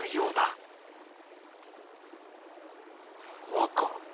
和歌？